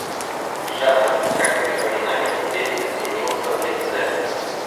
Шатов, как припоминаю теперь, изменился в лице.